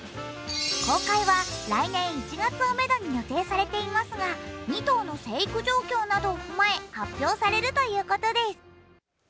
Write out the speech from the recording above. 公開は来年１月をめどに予定されていますが２頭の成育状況などを踏まえ発表されるということです。